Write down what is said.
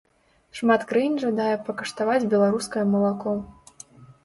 Шмат краін жадае пакаштаваць беларускае малако.